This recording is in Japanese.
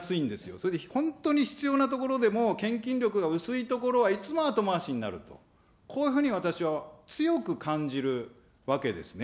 それで本当に必要なところでも献金力が薄いところは、いつも後回しになると、こういうふうに私、強く感じるわけですね。